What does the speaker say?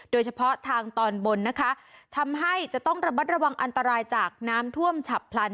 โดยเฉพาะทางตอนบนนะคะทำให้จะต้องระมัดระวังอันตรายจากน้ำท่วมฉับพลัน